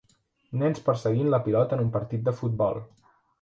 Nens perseguint la pilota en un partit de futbol.